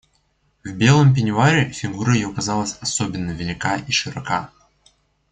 В белом пенюаре фигура ее казалась особенно велика и широка.